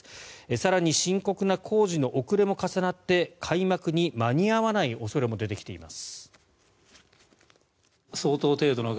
更に深刻な工事の遅れも重なって開幕に間に合わない恐れも出てきています。